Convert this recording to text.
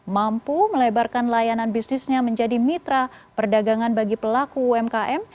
mampu melebarkan layanan bisnisnya menjadi mitra perdagangan bagi pelaku umkm